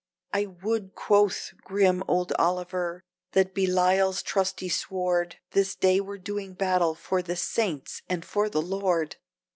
"I would," quoth grim old Oliver, "that Belial's trusty sword This day were doing battle for the Saints and for the Lord!"